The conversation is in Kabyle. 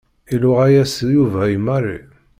Iluɛa-yas Yuba i Mary.